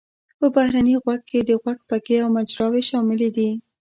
په بهرني غوږ کې د غوږ پکې او مجراوې شاملې دي.